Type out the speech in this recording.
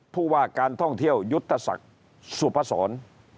ผู้ว่าการท่องเที่ยวยุทธศักดิ์สุพศร